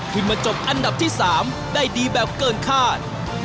ขึ้นมาจบอันดับที่๓ได้ดีแบบเกินคาด